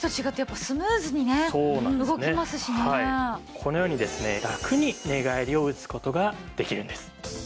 このようにですねラクに寝返りを打つ事ができるんです。